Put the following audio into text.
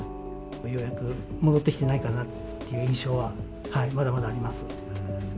予約は戻ってきてないかなという印象はまだまだあります。